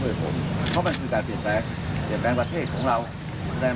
วันนี้จะไปรุ่งเกียรติไทยกระกูลจาก